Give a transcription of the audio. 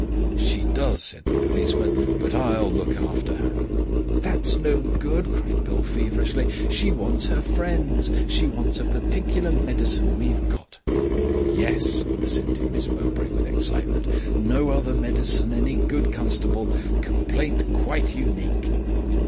'She does,' said the policeman, 'but I'll look after her.' "'That's no good,' cried Bill feverishly. 'She wants her friends. She wants a particular medicine we've got.' "'Yes,' assented Miss Mowbray, with excitement, 'no other medicine any good, constable. Complaint quite unique.'